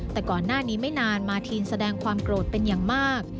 แต่ก่อนหน้านี้ไม่นานมาทีนแสดงความโกรธเป็นอย่างมาก